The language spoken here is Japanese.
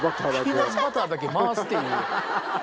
ピーナツバターだけ回すっていう。